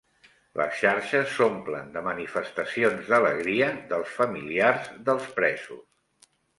Les xarxes s'omplen de manifestacions d'alegria dels familiars dels presos